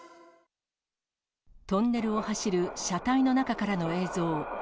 トンネルを走る車体の中からの映像。